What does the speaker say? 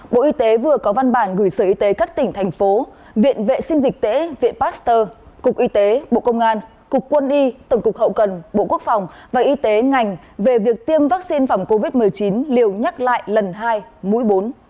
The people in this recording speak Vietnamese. bộ y tế vừa có văn bản gửi sở y tế các tỉnh thành phố viện vệ sinh dịch tễ viện pasteur cục y tế bộ công an cục quân y tổng cục hậu cần bộ quốc phòng và y tế ngành về việc tiêm vaccine phòng covid một mươi chín liều nhắc lại lần hai mũi bốn